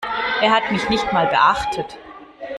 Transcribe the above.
Er hat mich nicht mal beachtet.